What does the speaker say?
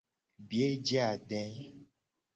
Biye je ade.